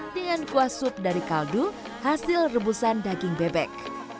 dengan kuah sup dari kaldu hasil rebusan daging bebek